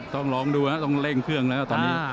ต้องลองดูนะต้องเร่งเครื่องนะนะครับ